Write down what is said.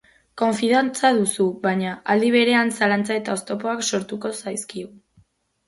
Konfidantza duzu, baina, aldi berean, zalantza eta oztopoak sortuko zaizkigu.